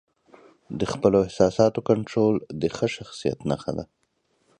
د خپلو احساساتو کنټرول د ښه شخصیت نښه ده.